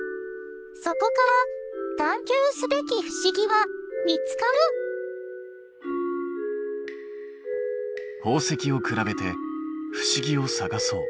そこから探究すべき不思議は見つかる宝石を比べて不思議を探そう。